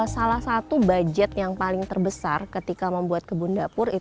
salah satu budget yang paling terbesar ketika membuat kebun dapur